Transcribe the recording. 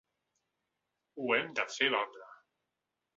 O hem de fer valdre